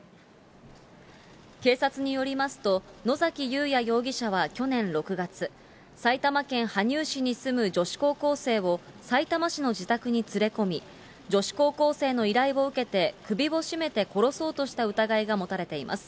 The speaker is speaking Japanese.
警察によりますと、野崎祐也容疑者は去年６月、埼玉県羽生市に住む女子高校生をさいたま市の自宅に連れ込み、女子高校生の依頼を受けて、首を絞めて殺そうとした疑いが持たれています。